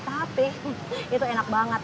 tapi itu enak banget